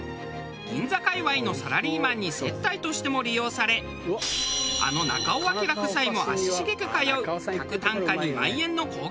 銀座かいわいのサラリーマンに接待としても利用されあの中尾彬夫妻も足しげく通う客単価２万円の高級店。